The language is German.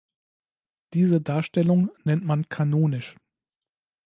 Diese Darstellung nennt man kanonisch.